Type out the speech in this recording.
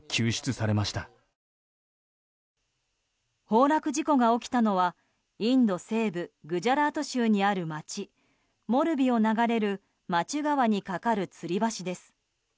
崩落事故が起きたのはインド西部グジャラート州にある街モルビを流れるマチュ川にかかるつり橋です。